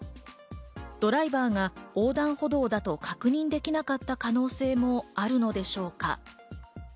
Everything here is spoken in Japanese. ドライバーが横断歩道だと確認できなかった可能性もあるのでしょうか？